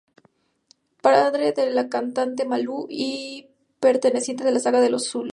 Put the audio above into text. Padre de la cantante Malú y perteneciente a la saga de "Los Lucía".